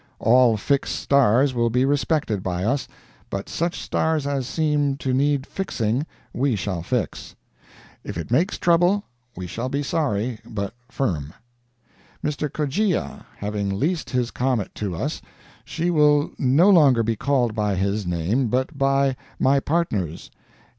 All fixed stars will be respected by us, but such stars as seem to need fixing we shall fix. If it makes trouble, we shall be sorry, but firm. Mr. Coggia having leased his comet to us, she will no longer be called by his name, but by my partner's.